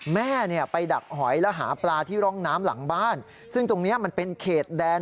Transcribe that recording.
แม่เนี่ยไปดักหอยแล้วหาปลาที่ร่องน้ำหลังบ้านซึ่งตรงนี้มันเป็นเขตแดน